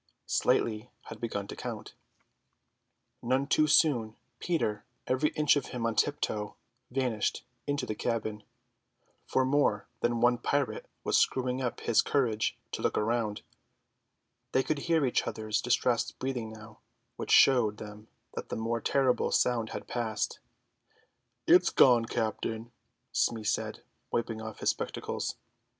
(Slightly had begun to count.) None too soon, Peter, every inch of him on tiptoe, vanished into the cabin; for more than one pirate was screwing up his courage to look round. They could hear each other's distressed breathing now, which showed them that the more terrible sound had passed. "It's gone, captain," Smee said, wiping off his spectacles.